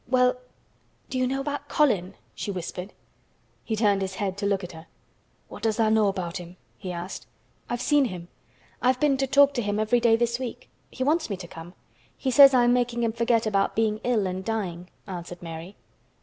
"Well—do you know about Colin?" she whispered. He turned his head to look at her. "What does tha' know about him?" he asked. "I've seen him. I have been to talk to him every day this week. He wants me to come. He says I'm making him forget about being ill and dying," answered Mary.